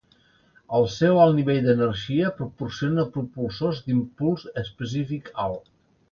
El seu alt nivell d'energia proporciona propulsors d'impuls específic alt.